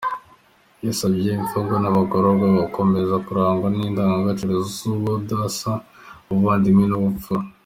Yasabye imfungwa n’abagororwa gukomeze kurangwa n’indangagaciro z’ubudasa, ubuvandimwe n’ubupfura.